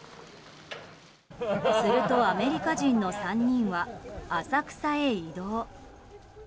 すると、アメリカ人の３人は浅草へ移動。